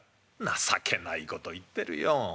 「情けないこと言ってるよ。